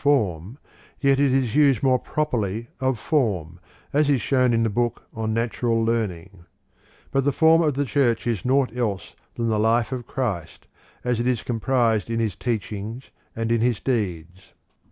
m form, yet it is used more properly of form, as is shown in the book on Natural Learning,^ But the form of the Church is naught else than the life of Christ as it is comprised in His teach ings and in His deeds.